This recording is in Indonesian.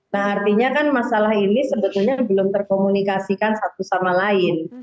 nah artinya kan masalah ini sebetulnya belum terkomunikasikan satu sama lain